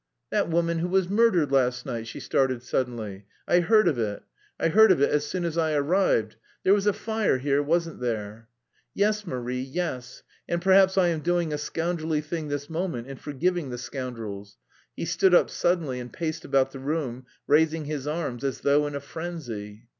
"That woman who was murdered last night?" she started suddenly. "I heard of it. I heard of it as soon as I arrived. There was a fire here, wasn't there?" "Yes, Marie, yes, and perhaps I am doing a scoundrelly thing this moment in forgiving the scoundrels...." He stood up suddenly and paced about the room, raising his arms as though in a frenzy.